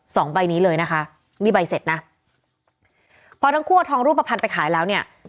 สองใบนี้เลยนะคะนี่ใบเสร็จนะพอทั้งคู่เอาทองรูปภัณฑ์ไปขายแล้วเนี่ย